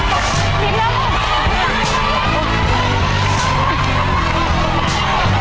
จะทำเวลาไหมครับเนี่ย